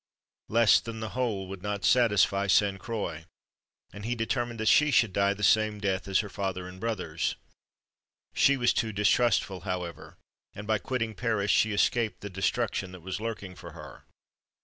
Less than the whole would not satisfy Sainte Croix, and he determined that she should die the same death as her father and brothers. She was too distrustful, however; and, by quitting Paris, she escaped the destruction that was lurking for her.